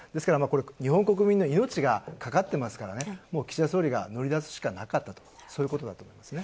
日本国民の命がかかってますからね岸田総理が乗り出すしかなかったと、そういうことでしょうね。